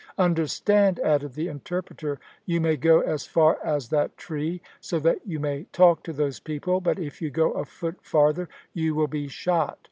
"Understand," added the interpreter, "you may go as far as that tree, so that you may talk to those people, but if you go a foot farther, you will be shot.